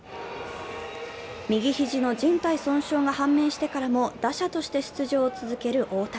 右肘のじん帯損傷が判明してからも打者として出場を続ける大谷。